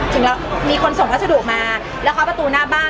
เรามีคนส่งพัสดุมาแล้วเคาะประตูหน้าบ้าน